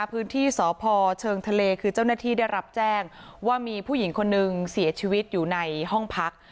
พื้นที่สพเชิงทะเลคือเจ้าหน้าที่ได้รับแจ้งว่ามีผู้หญิงคนนึงเสียชีวิตอยู่ในห้องพัก